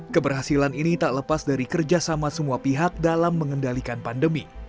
keberhasilan ini tak lepas dari kerjasama semua pihak dalam mengendalikan pandemi